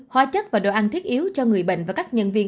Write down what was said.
hóa chất và đồ ăn thiết yếu cho người bệnh và các nhân viên